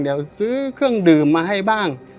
เดี๋ยวซื้อเครื่องดื่มมาให้บ้าง